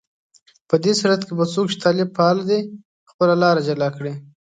په دې صورت کې به څوک چې طالب پاله دي، خپله لاره جلا کړي